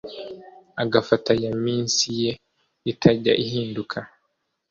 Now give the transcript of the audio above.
agafata ya minsi ye itajya ihinduka